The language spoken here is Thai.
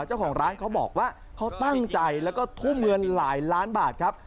เจ้าของร้านเขาบอกว่าเขาตั้งใจแล้วก็ทุ่มเงินหลายล้านบาทครับ